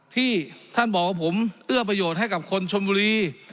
ที่ท่านบอกว่าผมเอื้อประโยชน์ให้กับคนชนบุรี